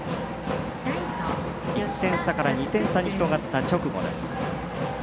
１点差から２点差に広がった直後。